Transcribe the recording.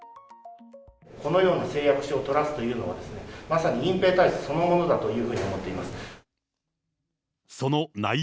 このような誓約書を取らすというのはですね、まさに隠蔽体質そのものだというふうに思っています。